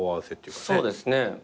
そうですね。